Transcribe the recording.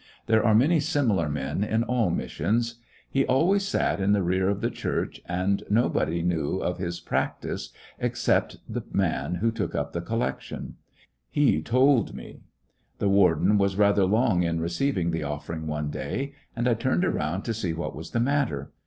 There are many similar men in all missions. He always sat in the rear of the church, and 141 ^ecoiiections of a nobody knew of his practice except the man who took up the collection. He told me. The warden was rather long in receiv ing the ofiGering one day, and I turned around to see what was the matter.